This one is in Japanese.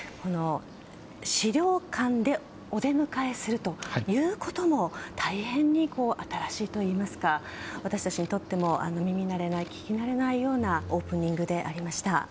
資料館でお出迎えするということも大変に新しいといいますか私たちにとっても耳慣れない、聞き慣れないようなオープニングでありました。